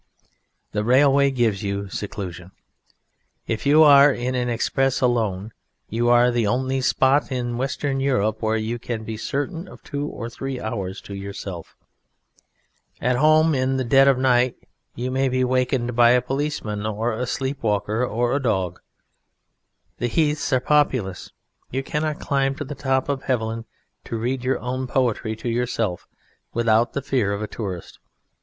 The railway gives you seclusion. If you are in an express alone you are in the only spot in Western Europe where you can be certain of two or three hours to yourself. At home in the dead of night you may be wakened by a policeman or a sleep walker or a dog. The heaths are populous. You cannot climb to the very top of Helvellyn to read your own poetry to yourself without the fear of a tourist.